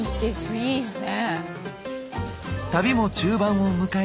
いいですね。